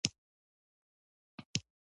دا مرستې باید په داسې برخو کې تر سره شي.